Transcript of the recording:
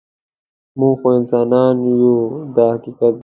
موږ خو انسانان یو دا حقیقت دی.